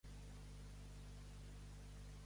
Fer del discret.